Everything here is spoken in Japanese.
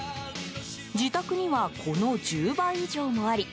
自宅には、この１０倍以上もあり